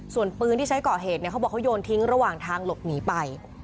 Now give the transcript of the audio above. ส่วนปืนที่ใช้ก่อเหตุเนี่ยเขาบอกเขาโยนทิ้งระหว่างทางหลบหนีไป